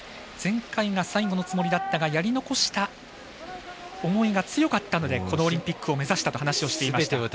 前回が最後のつもりだったがやり残した思いが強かったのでこのオリンピックを目指したと話をしていました。